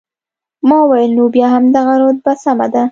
ما وویل، نو بیا همدغه رتبه سمه ده.